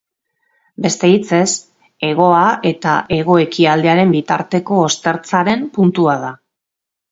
Beste hitzez, hegoa eta hego-ekialdearen bitarteko ostertzaren puntua da.